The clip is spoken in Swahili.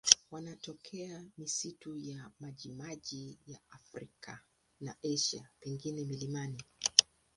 Wanatokea misitu ya majimaji ya Afrika na Asia, pengine milimani.